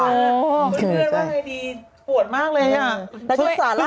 คุณเงินว่าไงดีปวดมากเลยอ่ะ